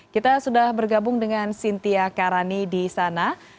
kita sudah bergabung dengan cynthia karani di sana